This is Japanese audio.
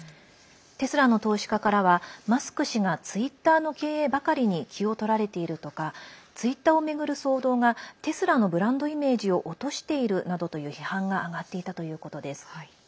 テスラの投資家からはマスク氏がツイッターの経営ばかりに気をとられているとかツイッターを巡る騒動がテスラのブランドイメージを落としているなどという批判が上がっていたということです。